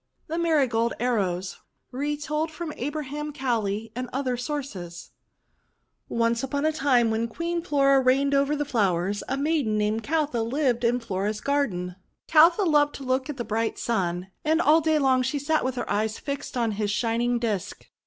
THE MARIGOLD ARROWS Retold from Abraham Cowley and Other Sources ONCE upon a time, when Queen Flora reigned over the flowers, a maiden named Caltha lived in Flora's garden. Caltha loved to look at the bright Sun, and all day long she sat with her eyes fixed on his shining disk.